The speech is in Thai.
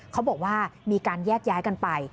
เขาบอกว่ามีการแยกย้ายกันไป